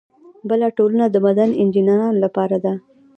بله ټولنه د معدن انجینرانو لپاره ده.